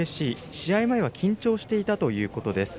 試合前は緊張していたということです。